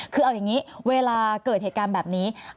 คือเอาอย่างนี้เวลาเกิดเหตุการณ์แบบนี้